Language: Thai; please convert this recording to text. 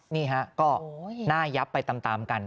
นี่ฮะก็หน้ายับไปตามกัน